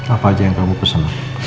apa aja yang kamu pesan ma